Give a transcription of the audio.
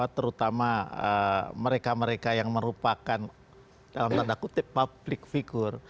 terutama mereka mereka yang merupakan dalam tanda kutip public figure